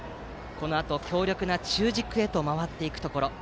このあと、強力な中軸へと回っていきます。